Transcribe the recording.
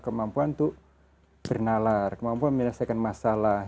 kemampuan untuk bernalar kemampuan menyelesaikan masalah